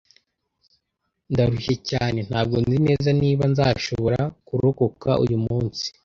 Ndarushye cyane. Ntabwo nzi neza niba nzashobora kurokoka uyu munsi.